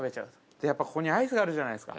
で、ここにアイスがあるじゃないですか。